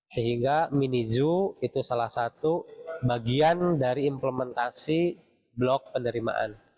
sehingga mini zoo itu salah satu bagian dari implementasi blok penerimaan